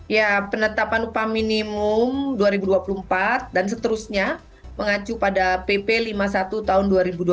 ya penetapan upah minimum dua ribu dua puluh empat dan seterusnya mengacu pada pp lima puluh satu tahun dua ribu dua puluh